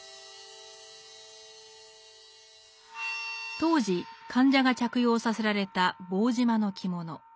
当時患者が着用させられた棒縞の着物。